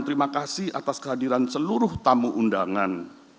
terima kasih atas kehadiran seluruh tamu undangan